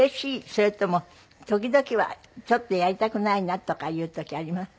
それとも時々はちょっとやりたくないなとかいう時あります？